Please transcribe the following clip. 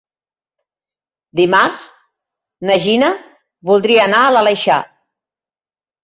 Dimarts na Gina voldria anar a l'Aleixar.